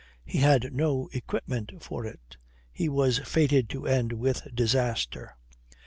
He had no equipment for it. He was fated to end it with disaster.